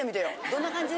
どんな感じ？